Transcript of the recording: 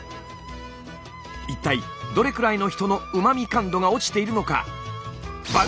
一体どれくらいの人のうま味感度が落ちているのか？